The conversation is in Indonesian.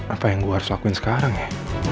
apa yang gue harus lakuin sekarang ya